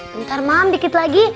bentar mam dikit lagi